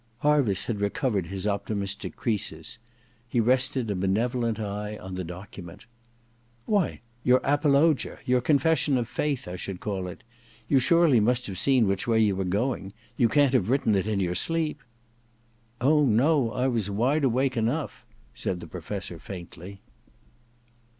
Harviss had recovered his optimistic creases. He rested a benevolent eye on the document. *Why, your apologia — your confession of faith, I should call it. You surely must have seen which way you were going ? You can't have written it in your sleep ?'* Oh, no, I was wide awake enough,' said the Professor faintly.